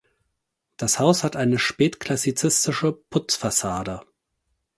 Das Haus hat eine spätklassizistische Putzfassade.